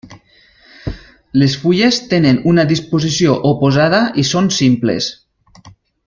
Les fulles tenen una disposició oposada i són simples.